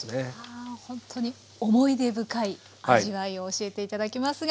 ほんとに思い出深い味わいを教えて頂きますが。